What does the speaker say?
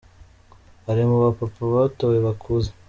Ari mu ba Papa batowe bakuze.